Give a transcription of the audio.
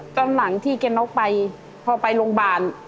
ตอนหลังที่แกน็อกไปพอไปโรงพยาบาล